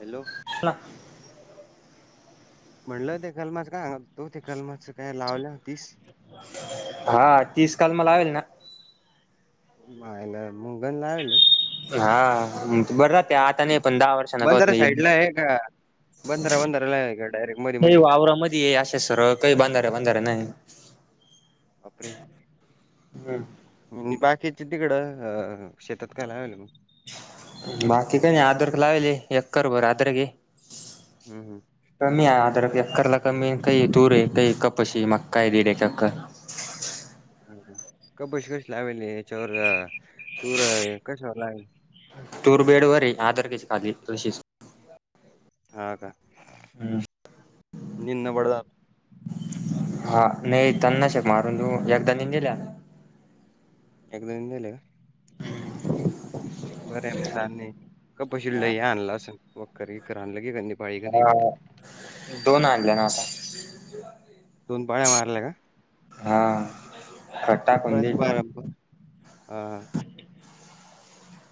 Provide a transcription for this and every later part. Hello ह म्हणलं ते कलमाच काय तो ते कलमाच काय लावल्या होतीस. हा तीस कलमा लावेल ना? माहिला मुंगल नाय आणल हा.. बरं राहत्या आता नी येतो आणि दहा वर्षांन होत बंधारा नाही. साईडला आहे का बंधारा बंधाराला आहे का डायरेक्ट मधी हे मधी आवरा मध्ये अश्या सरळ काही बांधाऱ्या बांधाऱ्या नाही. वापरे हम्म बाकीची तिकडं अ.. शेतात का हलं मग? बाकी काही नाही अद्रक लावेले एकर भर अद्रक हे. हम हम कमी आहे आद्रक एक्करला कमी येतय तुरं आहे त्या एकापाशी मक्का आहे दीड एक एक्कर ह ह कपबशी कसं लावेल याच्यावर तूर कशावर लाव तूर बेडवर आहे आदरकशी खाली तशीच. हा का, निन्न बड हा नाही तणनाशक मारून येद्दानीन्नल. एकदा येऊन नेले का? ह. बरं आहे मग धान्य कपबशिडलं हे आणलं अस वकर इकर आणलं की क हा, दोन आणल्या ना आता. दोन पाया मारल्या का?.. हा खट टाकून बस दे [unintelligible] आ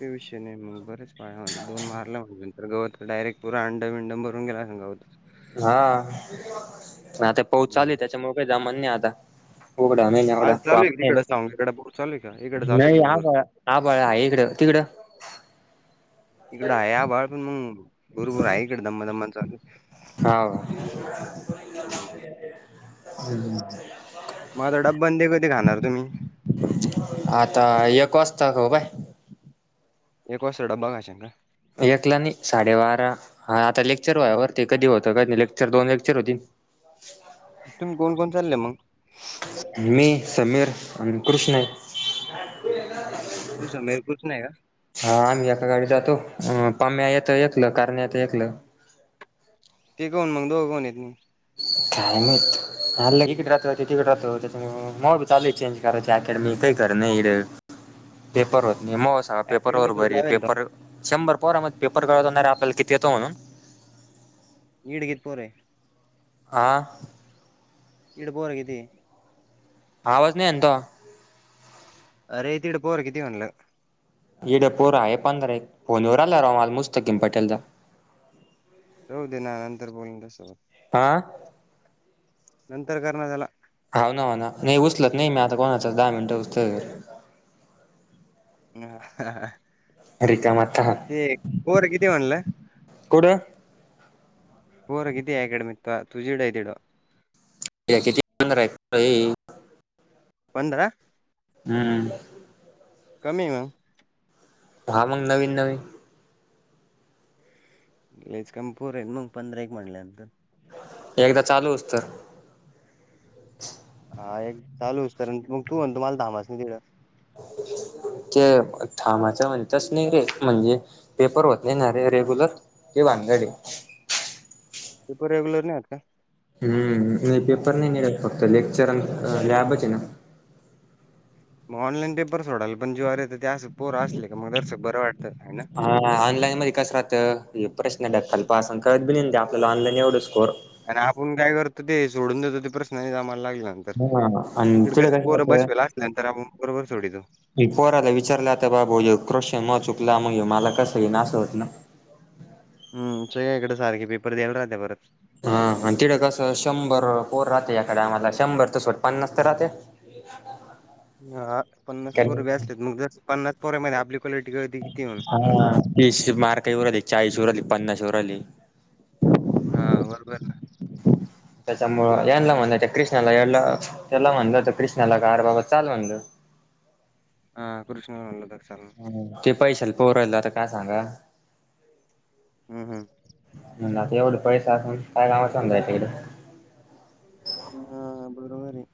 ते विषय नाही मग बरेच पाळागे दोन मारला म्हणजे तर गवत डायरेक पुरा अंड विंड मरून गेला असेल गवताच हा आता पाऊस हं. चालुयं त्याच्यामुळे काही जमान नाही आता. उघडा नाही ना एवढा आज चालू आहे वाटतेय तिकडं साऊंड इकडे पूर चालू आहे का? इकडे चालू आहे नाही आ भुरभुर. आबाळ आहे इकडं, तिकडं? इकडं आहे आबाळ पण मग भूरभुर आहे इकडे दमा दमान चालूय. हाव. हम्म मग डब्बं ते कधी खाणार तुम्ही? आता एक वाजता खाऊ काय. एक वाजता डबा खाशीन का? एकला नाही साडेबारा हा आता लेक्चर व वरती कधी होतं काही नाही लेक्चर दोन लेक्चर होती. तुम्ही कोण कोण चाल्ले मग? मी समीर आणि कृष्ण आहे. तू समीर कृष्ण आहे का? हा आम्ही एका गाडी जातो पम्या येतं एकलं कारनं येत एकलं. ते कोन मग दो कोण येत म काय माहित, एक इथं राहत ते एकीकडे राहत त्याच्यामुळं म चालूय चेंज करायच्या अकॅडमी काही कर नाही रे पेपर होत नाही मो सा पेपर अकॅडमी व थोडी बर लावेल राव. पेपर शंभर पोरा मध्यही पेपर करवणार आपल्या किती येतो म्हणून ईडगीत पोर आहे. आ.. इड पोर किती? आवाज नाही येंतो. अरे! तीड पोर किती म्हणलं? ईड पोर आहे पंधरा आहेत फोनवर आला रा माल मुस्तकीम पाटेलदा राहू दे ना नंतर बोलीन त्या सोबत. आ. नंतर करणा त्याला. हाव ना हो ना नाही उचलत नाही मी आता कोणाचा दहा मिनिटं हुसतर. हम ह पोरं किती म्हणलं? कुठं? पोरगी तीयाकड मिता तुझी डाय दिडो. या किती एकंदर आहे? पंधरा. हम्म्. कमीये ना? दहा, मग नवीन नवीन लईच कमी पोरं आहे, मग पंधरा एक म्हणल्यानंतर. एकदा चालू होस तर हा एक चालू होस तर, मग तू म्हणतो दहा मासनी गिळलं. ते ठामाच म्हणतच, त्यासनी म्हणजे? पेपर होत नाही ना रे रेग्युलर, ही भानगड ए. पेपर रेगुलर नाही आहेत का? हम्म, नाही पेपर नाही मिळत. फक्त लेक्चर अन लॅबच आहे ना. मग ऑनलाईन पेपर्स सोडायला पण जीविवर त्या पोर असले का मग दर्शक बरं वाटतं आहे ना हा, ऑनलाईन मध्ये कसं राहतं हे प्रश्न ढक्कालपास अन कळत बी नाही आपल्याला ऑनलाईन एवढं स्कोअर आणि आपण काय करतो ते, सोडून देतो ते प्रश्न नाही जामाला लागला तर, हा आणि इकडं तिकडे कसं पोर राहतं बसवेला असल्यानंतर आपण बरोबर सोडवितो. मी पोराला विचारलं, आता बाबू ह्यो प्रश्न म चुकला मग मला कसं येईना असं होतं ना. हम्, च्याया इकडें सारखे पेपर द्यायला राहत्या परत. हा आणि तिकडं कसं शंभर पोरं राहते एका टाइमाला, शंभर त सोड पन्नास तर राहते. हा, पन्नास पोरं बी असलेत मग जर पन्नास पोरामध्ये आपली क्वालिटी कळते किती हून हा तीस मार्क येवू राहीले, चाळीस येवू राहीले, पन्नास येवू राहीले हा, बरोबर ना. त्याच्यामुळं यांला म्हणलं, त्या कृष्णाला याडला. त्याला म्हणलं होतं, कृष्णाला का रं बाबा चाल म्हणलं. हा, कृष्ण म्हणला दक्षाला. ते पैशालं पोराला, आता काय सांगा? हम हम. म्हणलं आता एवढं पैसे असून, काय कामं समजायचं इकडे. हा, बरोबर आहे.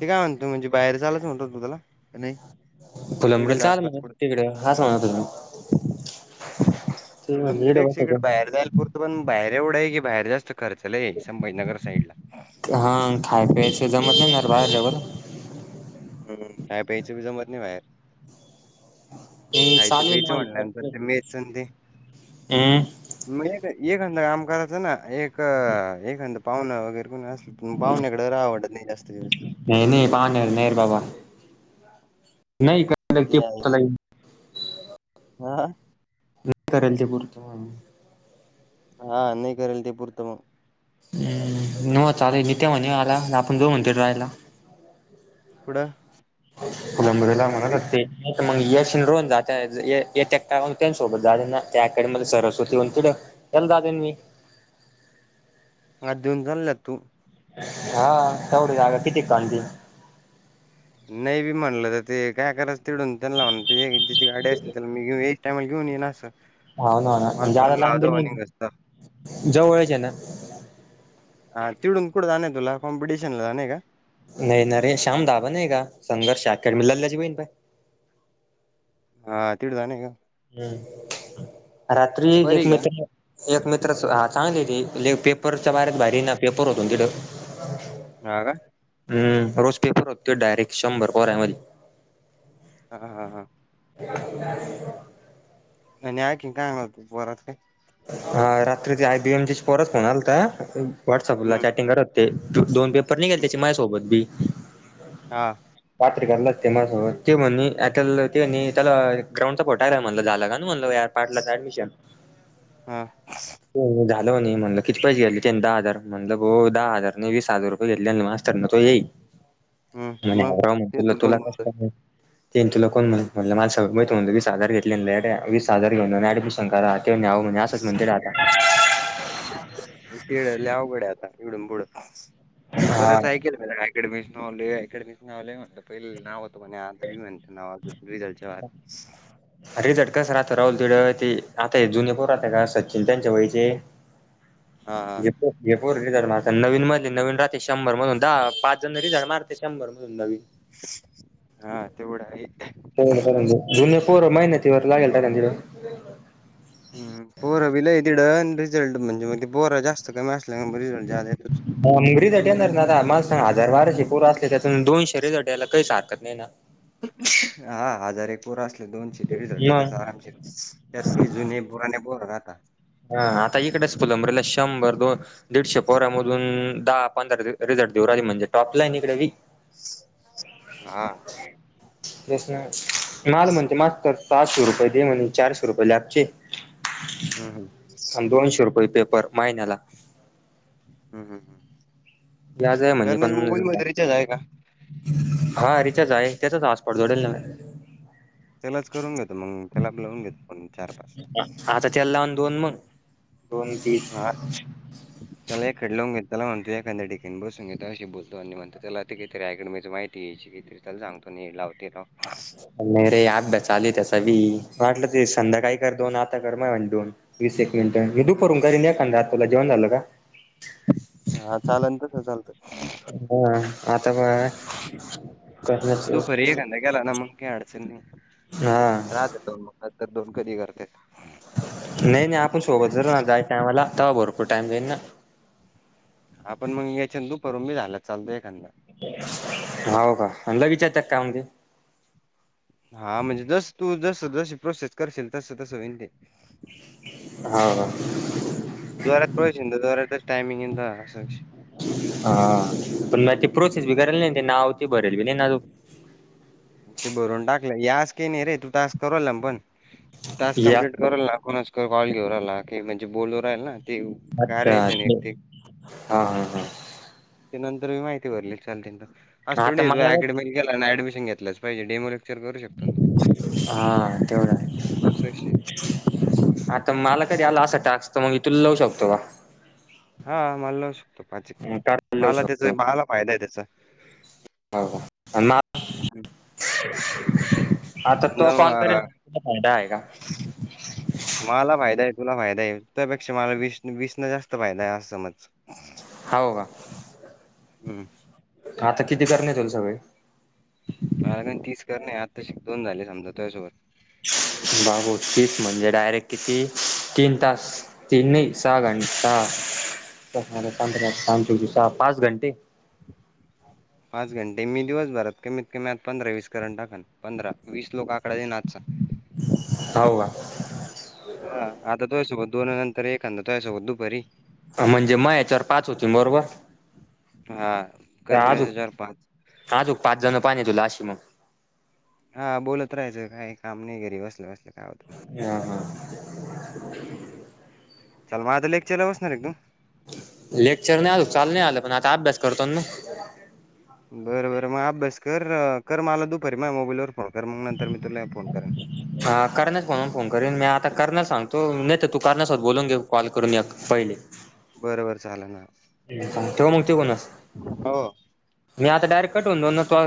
ते काय म्हणतो म्हणजे बाहेर जालाच म्हणतो तु त्याला, का नाही? तु लंबडला इकडच चालल आसपास का कुठं तिकडे? हा च म्हणा तुम्ही. तू, रमरे बेकच्या इकडे बाहेर जायला पुरतं. पण बाहेर एवढं आहे की, बाहेर जास्त खर्च लई संभाजीनगर साईडला. हां, खाय प्यायचं जमत नाही ना बाहेर राहिल्यावर. हम्, खाय प्यायचं बी जमत नाही बाहेर. हे खायचं चालू आहे प्यायचं म्हणल्यानंतर माझं ते मेचं ते हम्म मग एक एखांदं काम करायचं ना, एक एखांदं पाहुणा वगैरे कोण असली पण पाहुण्याकडे रहावं वाटत नाही, जास्तं दिवस. नाही.. नाही, पाहूण्याकडं नाही रं बाबा. नाही का? ते, आहे. हा. मी करेल ते पुरतं मग. हा, नाही करेल ते पुरतं मग. हम्म, नव चाले. नित्या म्हणे मला आपण जाऊ म्हणतोय राहायला. कुडं? नम्रता म्हणत असती [unintelligible] मध्ये सरस्वती होऊन जातात त्या अकॅडमी मध्ये सर असतात एल दाद्या आणि मी म दिऊन जला तू हा तेवढ जाग किती काांज नाही बी म्हणलं तर ते काय करायच तिडून त्यांना म्हण ते ज्याची गाडी असली त्याला मी येऊ एक टायमाला घेऊन येईन आसं. हा ना-ना जादा लांब बी नी घसत जवळच हे ना. हा तिढुन कुठं जाण आहे तुला?, कॉम्पटिशन ला जाण का? नाही ना रे श्याम दाब नाही का संघर्षा लल्याची बहीण प्यार. हा तिड जाने का? हम्म रात्री एक परी का? मित्र एक मित्रच हा चांगली ती ली पेपरच्या बाहेरच्या भारीना पेपर होत न तिड. हा का? हम्म रोज पेपर होतो डायरेक शंभर पोरां मधी. हां-हां [unintelligible] आणि आंखी काय होत पोरा [unintelligible] हा रात्री ते आय बी पोराचा फोन आलता व्हॉट्सअपला हम्म चॅटिंग करत. ते दोन पेपर नाही का हम्म. त्याचे माझ्यासोबत बी. हा ते म्हणल त्याला आठवलं का नाही क्रमचा घोटाळा आहे म्हणलं यार पाटलाच ऍडमिशन हां हो-हो झालं म्हणले. म्हणलं म्हणलं किती पैसेे घेतले त्यांनी दहा हजार म्हणलं हो दहा हजार नाही वीस हजार रूप [unintelligible] मास्तर ना तो येई [unintelligible] म्हणे मग राऊंड तिथून कोण तुला म्हणलं? कसलं ते तुला कोण म्हणलं म्हणलं माणसानं वीस हजार घेतलेन येड्या वीस हजार घेऊन अन एडमिशन करा ते म्हणे आवो कोणी असंच म्हणते रे आता. ते लई अवघड आहे आता इथुन पुढ पण हा बरंच ऐक ते अकॅडमीन आलो आता अकॅडमीच नाव होतं पहिलं नाव होतं आता रिझल्ट च्या वेळेला - [unintelligible] रीझल्ट कसा राहतो राहुल तिड ते आता हे जुने पोर राहता का सचिन त्यांच्या वयाचे [unintelligible] [unintelligible] नवीन मधले नवीन राह ते शंभर मधुन दहा पाच जण रिझाईन मारते शंभर मधुन नवीन. हा तेवढं आहे हा बरोबर जुने पोरं मेहनतीवर लागेल तिकडं ह पोरं बि लई तिड न रिझल्ट म्हणजे मग ते पोर जास्त कमी असल्या म रिझल्ट जादा येतो. [unintelligible] रिझल्ट येणार ना दा मला सांग हजार बाराशे पोर असले त्यातून दोनशे रिझल्ट यायला काहीच हरकत नाही ना. हा हजार एक पोर असले दोनशे ते रिझल्ट ते मग. तस असतंय त्यात काही जुने पुराने पोर राहता हा आता इकडेच शंभर दोन दीडशे पोऱ्या मधु अजुन दहा पंधरा री-रिझल्ट देऊ राहले म्हणजे टॉपला लाईन इकडे बी. हा! तेच ना माल म्हणते मास्तर सहाशे रुपये दे म्हणे चारशे रुपये लॅबचे. हूं! अन दोनशे रुपये पेपर महिन्याला. हूं हूं हूं व्याज आहे म्हणे करण्या च्या पण मोबाईल मध्ये रिचार्ज आहे का? हा रिचार्ज आहे, त्याचच हॉस्पॉट जोडेल म्या. त्यालाच करून घेतो मंग त्याला लावून घेतो फोन. चार पाच. आता त्याला लावन दोन मंग दोन हा तीनं. त्याला एखाड लावून घेत त्याला म्हणतो एखानद्या ठिकाणी बसून घे तुवाशी बोलतो अन निवांत त्याला- [unintelligible] नही रे अभ्यास चालूय त्याचा बी वाटलं त हे संध्याकाळी कर दोन आता कर मायावले दोन. वीस एक मिनिट मी दुपरून करीनं एखांदा तुला जेवण झालं का. हा चालेनं तस चालत. होय आता बगा करन्या च. चंदया गेला ना मंग काय अडचनं नही. हा! राहत्यां दोन मंग नंतर दोन कधी करत्यां. नही नही आपण सोबत जरू ना जाय टायमा ला तवा भरपूर टाइम देईल ना. आपण म याच्यातं दुपारून बी झाला चालत एखांदा हाव कां अन लगेच येतात कामध्ये हा म्हणजे जस तू जस जस प्रोसेस करशील तस तसं होईन ते. हा हा! जोरात पळशील तं जोरात टामिंग [unintelligible] हा पण म्या ती प्रोसेस बी करेल नइ ते नाव ते भरेल बी नाही ना अजु. ते भरवून टाकलं ये आस काई नही रे तू टास्क करु राहिला नं पण टास्क या कम्प्लीट करल ना कोनाच तरी कॉल घेऊ रायला की म्हणजे बोलू राहिला ना. ते अच्छा कार्याचे नाही ते हा हा हा. ते नंतर बी माहिती भरलील चालते नं तं अस हा थोडी आता हे तू मला अकेडमिला गेला ना ऍडमिशन घेतलच पाहिजे डेमो विचार करू शकतो नं तू हा तेवढा तस विषय. आता मला कधी आला असा टास्क त म मी तुला लावू शकतो का? हा माला लावू शकतो पाचि फोन का लावू माला त्याचा शकतो माला फायदा आहे त्याचा. [unintelligible] आता तो कॉन करेल समजा तुला फायदा आहे का? माला फायदा आहे तुला फायदा आहे, तुयापेक्षा मला वीस-वीस न जास्त फायदा आहे असं समज. हाव का हं. आता किती करणे तूल सगळे? [unintelligible] तीस करणे आताशिक दोन झाले समजा तूयासोबत. बाबो तीस म्हणजे डायरेक्ट किती तीन तास. तीन नाही सहा घंट [unintelligible] हा सहा पाच घंटे. पाच घंटे मी दिवस भरात कमीत कमी आज पंधरा वीस करून टाकन, पंधरा वीस लोक आकडा येईन आजचा. हाव का? हा आता तुया सोबत दोन नंतर एखदा तुया सोबत दुपारी. म्हणजे माह्या याच्यावर पाच होतीनं बरोबर. हा! त्यां आजूक, आजूक पाच जण पाहने तुला अशी मंग. हा बोलत राहायचं काही काम नाही घरी बसल्या बसल्या काय होत. हा हा चल म, आता लेक्चरला बसणार आहे का तू? लेक्चर नाही अजुन. चालु नाही झाल. पण आता अभ्यास करतो ना मी. [unintelligible] बर बर मग अभ्यास कर. कर मला दुपारी माझ्या मोबाईलवर फोन कर. मग नंतर मी तुला फोन करन. ह करण्यास म्हणून फोन करीन. मी आता करण्यास सांगतो. नाही तर तू करण्यास होत बोलून घे कॉल करून एक पहिले‌ बरं, बरं चालेल हां. ठेव मग तिकुन. हो. मी आता डायरेक्ट कट होवून जाऊ ना. तु आ